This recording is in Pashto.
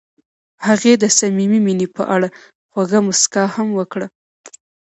هغې د صمیمي مینه په اړه خوږه موسکا هم وکړه.